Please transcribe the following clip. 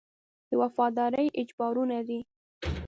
د وفادارۍ اجبارونه دي.